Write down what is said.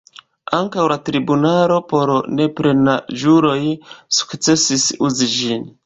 Ankaŭ la tribunalo por neplenaĝuloj sukcesis uzi ĝin.